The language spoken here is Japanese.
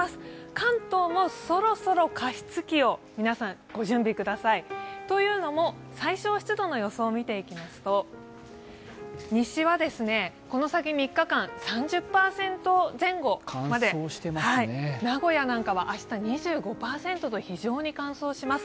関東もそろそろ加湿器を皆さん、ご準備ください。というのも、最小湿度の予想を見ていきますと、西はこの先３日間、３０％前後まで名古屋なんかは明日２５％と非常に乾燥します。